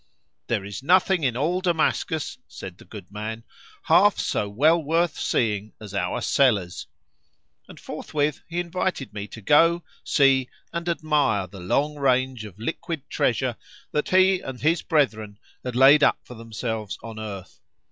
"There is nothing in all Damascus," said the good man, "half so well worth seeing as our cellars"; and forthwith he invited me to go, see, and admire the long range of liquid treasure that he and his brethren had laid up for themselves on earth.